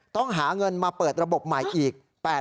ต้องหาเงินมาเปิดระบบใหม่อีก